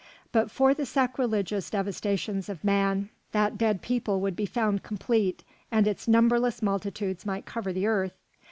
But for the sacrilegious devastations of man, that dead people would be found complete, and its numberless multitudes might cover the earth.